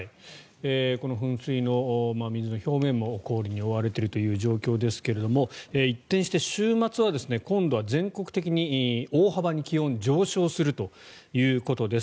この噴水の水の表面も氷に覆われている状況ですが一転して週末は今度は全国的に大幅に気温が上昇するということです。